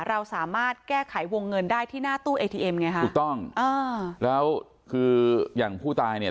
เราสามารถแก้ไขวงเงินได้ที่หน้าตู้เอทีเอ็มไงฮะถูกต้องอ่าแล้วคืออย่างผู้ตายเนี่ย